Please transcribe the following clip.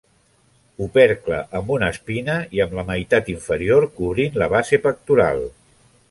Opercle amb una espina i amb la meitat inferior cobrint la base pectoral.